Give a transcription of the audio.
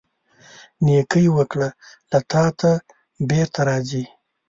نیکۍ وکړه، له تا ته بیرته راځي.